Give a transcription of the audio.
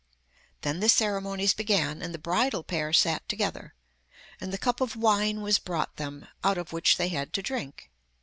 Then the ceremonies began, and the bridal pair sat together, and the cup of wine was brought them, out of which they had to drink.